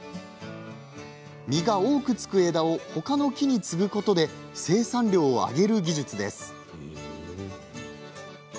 実が多くつく枝をほかの木に接ぐことで生産量を上げる技術です。